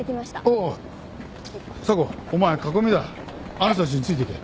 あの人たちについていけ。